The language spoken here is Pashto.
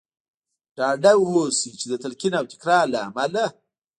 ډاډه اوسئ چې د تلقين او تکرار له امله.